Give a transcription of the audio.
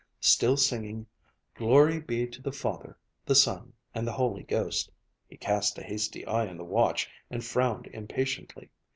Still singing "Glory be to the Father, the Son, and the Holy Ghost," he cast a hasty eye on the watch and frowned impatiently.